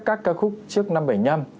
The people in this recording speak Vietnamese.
các ca khúc trước năm bảy mươi năm